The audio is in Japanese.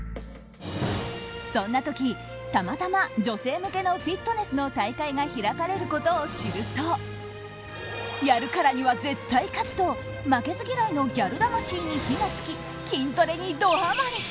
そんな時、たまたま女性向けのフィットネスの大会が開かれることを知るとやるからには絶対勝つと負けず嫌いのギャル魂に火が付き筋トレにドハマリ。